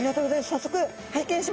早速拝見します！